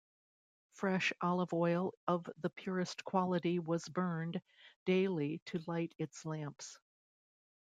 Fresh olive oil of the purest quality was burned daily to light its lamps.